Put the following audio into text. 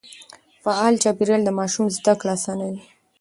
فعال چاپېريال د ماشوم زده کړه آسانوي.